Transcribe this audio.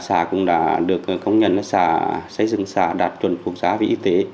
xã cũng đã được công nhận xây dựng xã đạt chuẩn quốc giá vì y tế